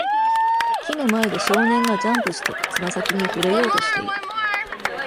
木の前で少年がジャンプしてつま先に触れようとしている。